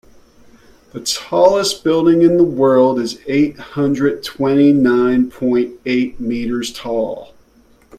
The tallest building in the world is eight hundred twenty nine point eight meters tall.